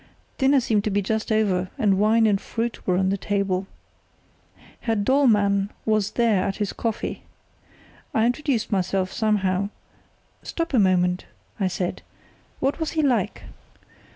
Dinner seemed to be just over, and wine and fruit were on the table. Herr Dollmann was there at his coffee. I introduced myself somehow——" "Stop a moment," I said; "what was he like?"